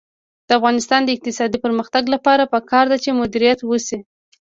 د افغانستان د اقتصادي پرمختګ لپاره پکار ده چې مدیریت وشي.